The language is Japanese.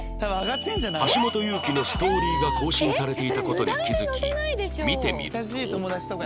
橋本祐希のストーリーが更新されていた事に気付き見てみると